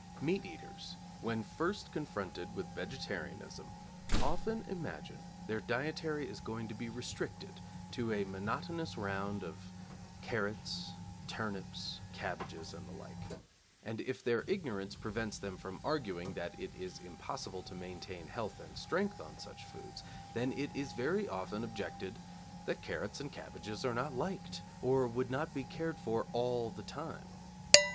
Meat eaters when first confronted with vegetarianism often imagine their dietary is going to be restricted to a monotonous round of carrots, turnips, cabbages, and the like; and if their ignorance prevents them from arguing that it is impossible to maintain health and strength on such foods, then it is very often objected that carrots and cabbages are not liked, or would not be cared for all the time.